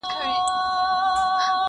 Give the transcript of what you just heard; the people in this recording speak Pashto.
خالقه سترګي د رقیب مي سپېلني کې ورته!